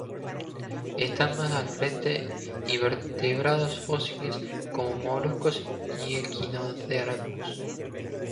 Están más al frente invertebrados fósiles como moluscos y equinodermos.